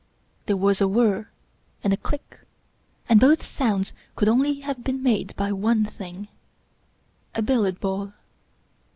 There was a whir and a click, and both sounds could only have been made by one thing — a billiard ball.